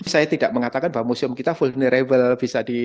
saya tidak mengatakan bahwa museum kita vulnerable